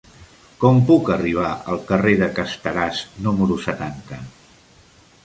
Com puc arribar al carrer de Casteràs número setanta?